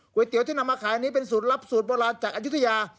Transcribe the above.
เตี๋ยวที่นำมาขายนี้เป็นสูตรลับสูตรโบราณจากอายุทยา